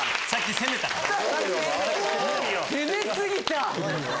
攻め過ぎた。